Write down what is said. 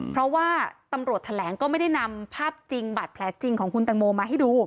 เพราะว่าตำรวจแถลงก็ไม่ได้นำภาพจริงบาดแผลจริงของคุณตังโมมาให้ดู